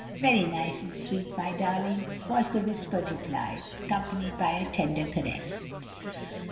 "Very nice and sweet, my darling," was the whispered reply, accompanied by a tender caress.